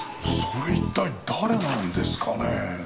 それ一体誰なんですかね？